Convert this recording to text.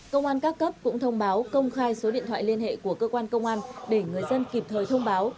công an các cấp cũng thông báo công khai số điện thoại liên hệ của cơ quan công an để người dân kịp thời thông báo